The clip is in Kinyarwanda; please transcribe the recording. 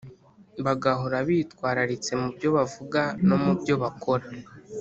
bagahora bitwararitse mu byo bavuga no mu byo bakora